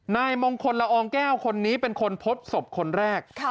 นายมงคลละอองแก้วคนนี้เป็นคนพบศพคนแรก